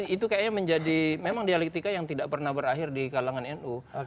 itu kayaknya menjadi memang dialektika yang tidak pernah berakhir di kalangan nu